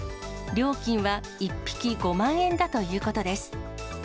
料金は１匹５万円だということです。